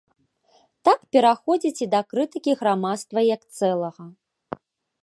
Так пераходзіць і да крытыкі грамадства як цэлага.